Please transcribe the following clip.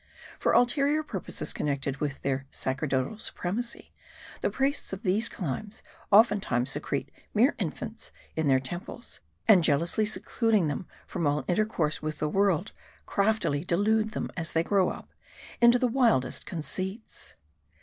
For' ulterior purposes connected with their sacerdotal supremacy, the priests of these climes oftentimes secrete mere infants in their temples ; and jealously secluding them from all intercourse with the world, craftily delude them, as they grow up, into the wildest conceits.